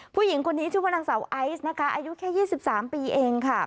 ผู้หญิงคนนี้ชูพนังสาวอายุแค่๒๓ปีเองค่ะ